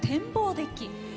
デッキ。